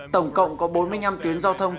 tổng cộng có bốn mươi năm tuyến giao thông